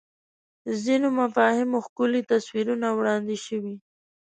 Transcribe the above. ځینو مفاهیمو ښکلي تصویرونه وړاندې شوي